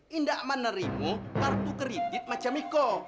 tidak menerima kartu kredit macam miko